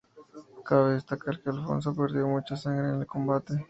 Cabe destacar que Alfonso perdió mucha sangre en el combate.